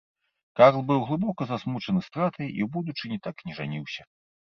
Карл быў глыбока засмучаны стратай, і ў будучыні так і не жаніўся.